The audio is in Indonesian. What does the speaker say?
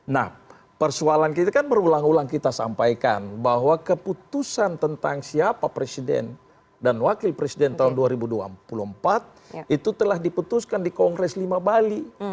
nah persoalan kita kan berulang ulang kita sampaikan bahwa keputusan tentang siapa presiden dan wakil presiden tahun dua ribu dua puluh empat itu telah diputuskan di kongres lima bali